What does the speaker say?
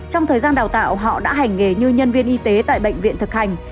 trong thời gian đào tạo họ đã hành nghề như nhân viên y tế tại bệnh viện thực hành